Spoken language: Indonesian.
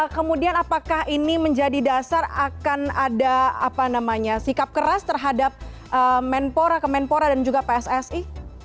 kemudian apakah ini menjadi dasar akan ada sikap keras terhadap menpora kemenpora dan juga pssi